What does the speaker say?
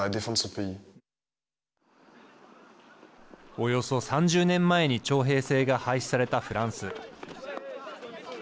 およそ３０年前に徴兵制が廃止されたフランス。